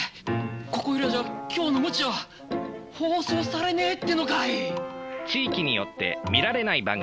ここいらじゃ「今日の鞭」は放送されねえってのかい！